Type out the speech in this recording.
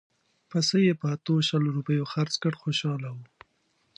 پسه یې په اتو شل روپیو خرڅ کړ خوشاله وو.